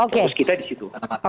terus kita di situ